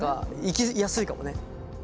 行きやすいかもね。